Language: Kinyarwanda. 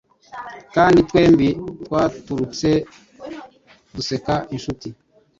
kandi twembi twaturitse duseka, nshuti